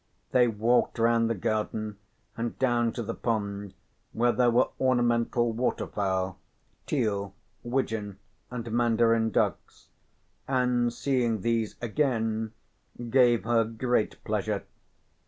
They walked round the garden and down to the pond where there were ornamental waterfowl, teal, widgeon and mandarin ducks, and seeing these again gave her great pleasure.